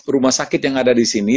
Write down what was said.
rumah sakit yang ada disini